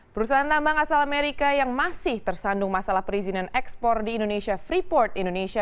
perusahaan tambang asal amerika yang masih tersandung masalah perizinan ekspor di indonesia freeport indonesia